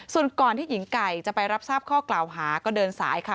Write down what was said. ส่วนก่อนที่หญิงไก่จะไปรับทราบข้อกล่าวหาก็เดินสายค่ะ